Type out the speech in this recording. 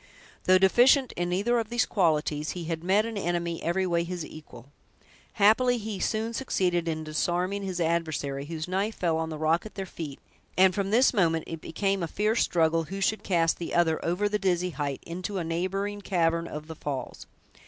Though deficient in neither of these qualities, he had met an enemy every way his equal. Happily, he soon succeeded in disarming his adversary, whose knife fell on the rock at their feet; and from this moment it became a fierce struggle who should cast the other over the dizzy height into a neighboring cavern of the falls.